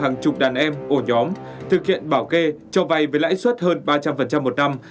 hàng chục đàn em ổ nhóm thực hiện bảo kê cho vay với lãi suất hơn ba trăm linh một năm